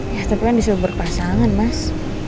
ya tapi kan disuruh berpasangan mas